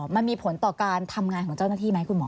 มันมีผลต่อการทำงานของเจ้าหน้าที่ไหมคุณหมอ